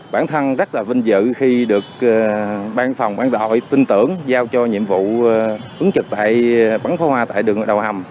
ban phòng ban đội tin tưởng giao cho nhiệm vụ ứng trực bắn pháo hoa tại đường đầu hầm